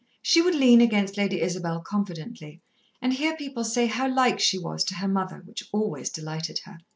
She would lean against Lady Isabel confidently, and hear people say how like she was to her mother, which always delighted her.